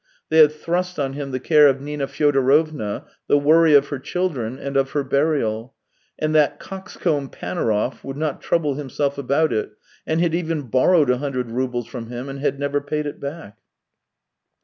They had thrust on him the care of Nina Fyodorovna. the worry of her children, and of her burial; and that coxcomb Panaurov would not trouble himself about it, and had even borrowed a hundred roubles from him and iiad never paid it back.